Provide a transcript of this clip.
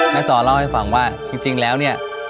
ซอเล่าให้ฟังว่าจริงแล้วเนี่ย